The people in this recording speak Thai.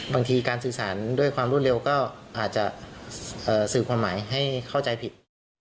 บางทีการสื่อสารด้วยความรวดเร็วก็อาจจะสื่อความหมายให้เข้าใจผิด